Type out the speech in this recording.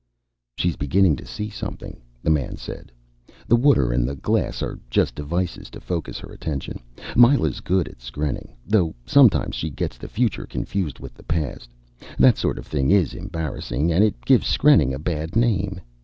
"She's beginning to see something," the man said. "The water and the glass are just devices to focus her attention. Myla's good at skrenning, though sometimes she gets the future confused with the past. That sort of thing is embarrassing, and it gives skrenning a bad name.